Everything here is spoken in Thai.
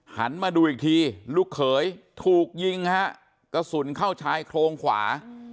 หันมาดูอีกทีลูกเขยถูกยิงฮะกระสุนเข้าชายโครงขวา